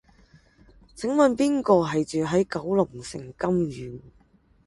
請問邊個住喺九龍城金·御門？